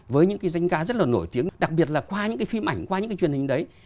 với những cái danh cá rất là nổi tiếng đặc biệt là qua những cái phim ảnh qua những cái truyền hình đấy